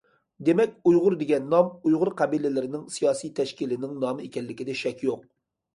دېمەك،« ئۇيغۇر» دېگەن نام ئۇيغۇر قەبىلىلىرىنىڭ سىياسىي تەشكىلىنىڭ نامى ئىكەنلىكىدە شەك يوق.